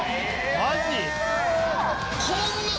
マジ？